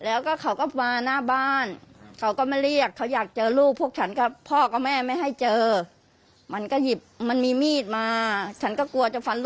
เอาฟังคุณป้าก่อน